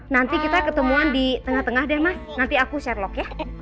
nanti kita ketemuan di tengah tengah deh mas nanti aku share lock ya